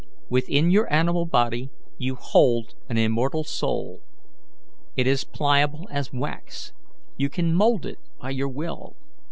Within your animal body you hold an immortal soul. It is pliable as wax; you can mould it by your will.